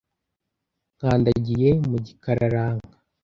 nkandagiye mu gikararanka